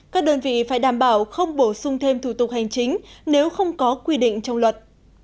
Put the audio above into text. các đơn vị phải đảm bảo không bổ sung thêm thủ tục hành chính nếu không có quy định trong luật